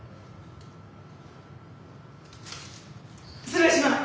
失礼します！